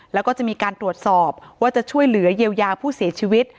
แล้วก็จะมีการตรวจสอบว่าจะช่วยเหลือเยียวยาผู้เสียชีวิต